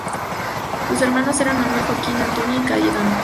Sus hermanos eran Manuel, Joaquín, Antonia y Cayetana.